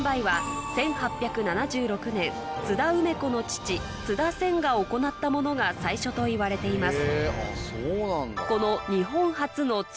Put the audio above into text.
津田梅子の父津田仙が行ったものが最初といわれています